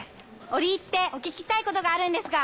折り入ってお聞きしたいことがあるんですが！